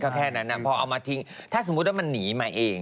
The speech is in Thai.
แค่นั้นพอเอามาทิ้งถ้าสมมุติว่ามันหนีมาเอง